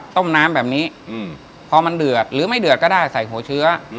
ต้มน้ำแบบนี้พอมันเดือดหรือไม่เดือดก็ได้ใส่หัวเชื้อ